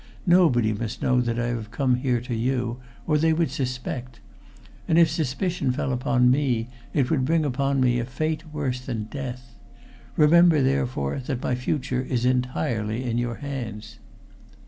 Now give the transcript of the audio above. Nobody must know that I have come here to you, or they would suspect; and if suspicion fell upon me it would bring upon me a fate worse than death. Remember, therefore, that my future is entirely in your hands."